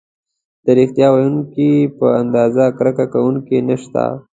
د ریښتیا ویونکي په اندازه کرکه کوونکي نشته.